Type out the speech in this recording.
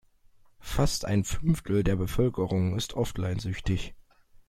Fast ein Fünftel der Bevölkerung ist offline-süchtig.